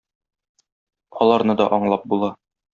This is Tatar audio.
Аларны да аңлап була.